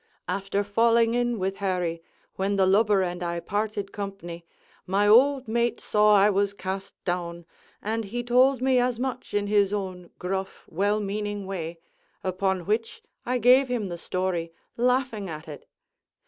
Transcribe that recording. After falling in with Harry, when the lubber and I parted company, my old mate saw I was cast down, and he told me as much in his own gruff, well meaning way; upon which I gave him the story, laughing at it.